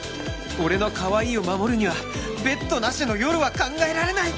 俺のかわいいを守るにはベッドなしの夜は考えられない！